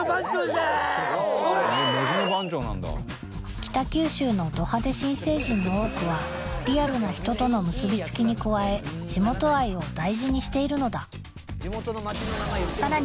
北九州のド派手新成人の多くはリアルな人との結び付きに加え地元愛を大事にしているのださらに